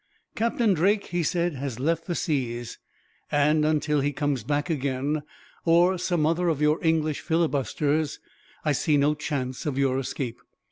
"Captain Drake," he said, "has left the seas and, until he comes back again, or some other of your English filibusters, I see no chance of your escape.